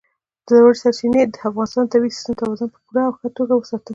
ژورې سرچینې د افغانستان د طبعي سیسټم توازن په پوره او ښه توګه ساتي.